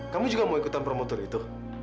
kamu juga mau ikutan promo tour itu